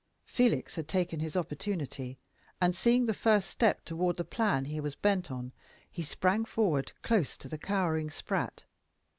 Felix had taken his opportunity; and seeing the first step toward a plan he was bent on, he sprang forward close to the cowering Spratt.